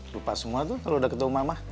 lupa semua tuh kalau udah ketemu mama